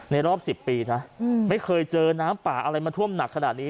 รอบ๑๐ปีนะไม่เคยเจอน้ำป่าอะไรมาท่วมหนักขนาดนี้